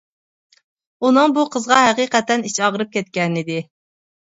ئۇنىڭ بۇ قىزغا ھەقىقەتەن ئىچى ئاغرىپ كەتكەنىدى.